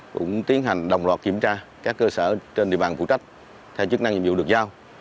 cũng tiến hành đồng loạt kiểm tra các cơ sở trên địa bàn phụ trách theo chức năng nhiệm vụ được giao